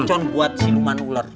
mercon buat siluman ular